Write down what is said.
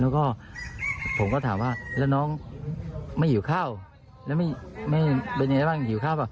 แล้วก็ผมก็ถามว่าแล้วน้องไม่หิวข้าวแล้วไม่เป็นยังไงบ้างหิวข้าวป่